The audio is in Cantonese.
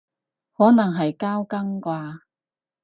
可能係交更啩